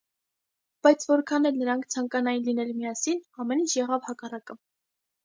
Բայց որքան էլ նրանք ցանկանային լինել միասին, ամեն ինչ եղավ հակառակը։